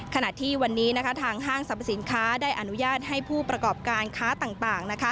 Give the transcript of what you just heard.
ขณะที่วันนี้ทางห้างสรรพสินค้าได้อนุญาตให้ผู้ประกอบการค้าต่าง